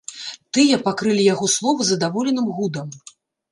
Тыя пакрылі яго словы здаволеным гудам.